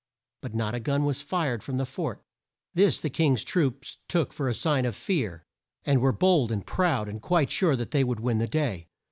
But not a gun was fired from the fort. This the King's troops took for a sign of fear, and were bold and proud, and quite sure that they would win the day.